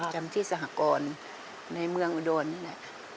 จำที่สหกรในเมืองอุดรนี่แหละ